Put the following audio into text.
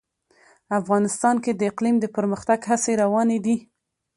افغانستان کې د اقلیم د پرمختګ هڅې روانې دي.